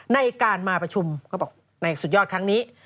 ในการมาประชุมก็บอกในสุดยอดครั้งนี้